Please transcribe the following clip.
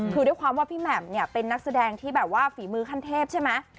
คือด้วยความว่าพี่แหม่มเนี่ยเป็นนักแสดงที่แบบว่าฝีมือขั้นเทพใช่ไหม